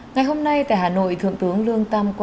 ngày hôm nay tại hà nội thượng tướng lương tâm